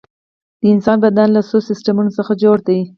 د انسان بدن له څو سیستمونو څخه جوړ دی